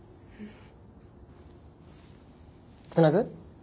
つなぐ？